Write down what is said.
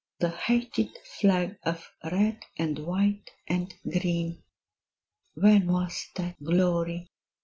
The hated flag of red and white and green. When was thy glory!